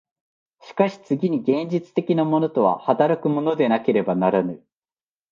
しかし次に現実的なものとは働くものでなければならぬ。